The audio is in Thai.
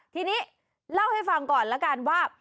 ทีนี้เล่าให้ฟังก่อนแล้วกันว่า